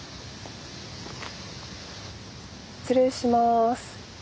失礼します。